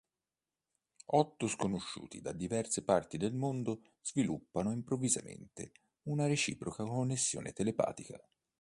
Otto sconosciuti da diverse parti del mondo sviluppano improvvisamente una reciproca connessione telepatica.